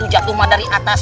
jatuh dari atas